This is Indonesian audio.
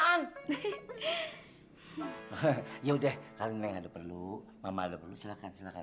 hehehe yaudah kalau nek ada perlu mama ada perlu silakan silakan